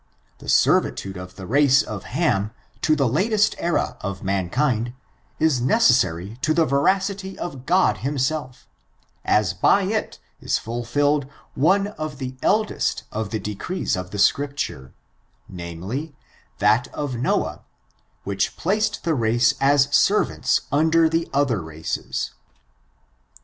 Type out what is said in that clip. The servitude of the race of Ham, to the latest era of mankind, is necessary to tbe ^^^^^^■^1^^ %^k^k^^^^ 394 ORIGIN, CHARACTER, AND veracity of God himself, as by it is fulfilled one of the eldest of the decrees of the Scriptures, namely, that of Noah, which placed the race as servants un* der the other races.